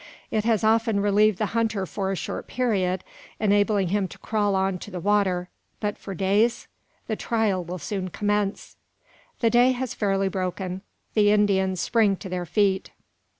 It has often relieved the hunter for a short period, enabling him to crawl on to the water; but for days! The trial will soon commence. The day has fairly broken. The Indians spring to their feet.